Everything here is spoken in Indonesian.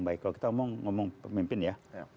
baik kalau kita ngomong pemimpin ya